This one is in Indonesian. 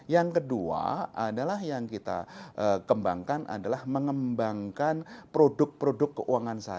yang kedua adalah yang kita kembangkan adalah mengembangkan produk produk keuangan